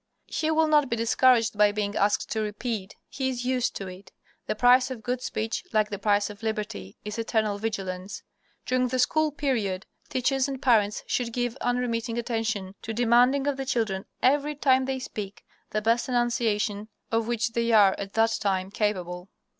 He will not be discouraged by being asked to repeat. He is used to it. The price of good speech, like the price of liberty, is eternal vigilance. During the school period, teachers and parents should give unremitting attention to demanding of the children, every time they speak, the best enunciation of which they are at that time capable.